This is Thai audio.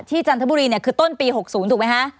จันทบุรีเนี่ยคือต้นปี๖๐ถูกไหมคะ